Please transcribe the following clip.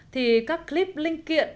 thì các clip linh kiện